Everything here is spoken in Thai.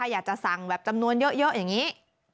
อยากจะสั่งแบบจำนวนเยอะอย่างนี้